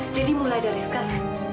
jadi mulai dari sekarang